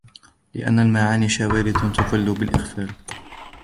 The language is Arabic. لِأَنَّ الْمَعَانِيَ شَوَارِدُ تَضِلُّ بِالْإِغْفَالِ